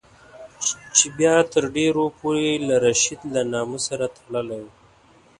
چې بیا تر ډېرو پورې له رشید له نامه سره تړلی وو.